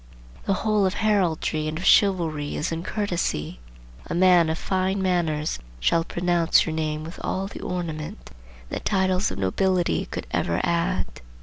The whole of heraldry and of chivalry is in courtesy. A man of fine manners shall pronounce your name with all the ornament that titles of nobility could ever add.